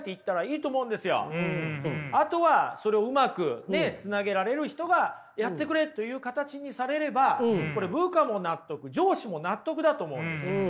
あとはそれをうまくつなげられる人がやってくれという形にされればこれ部下も納得上司も納得だと思うんですよ。